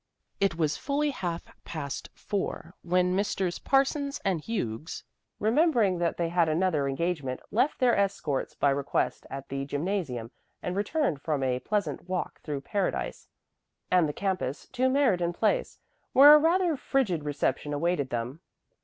It was fully half past four when Messrs. Parsons and Hughes, remembering that they had another engagement, left their escorts by request at the gymnasium and returned from a pleasant walk through Paradise and the campus to Meriden Place, where a rather frigid reception awaited them.